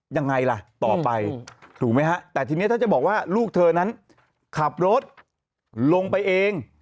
ยังไงล่ะต่อไปถูกไหมฮะแต่ทีนี้ถ้าจะบอกว่าลูกเธอนั้นขับรถลงไปเอง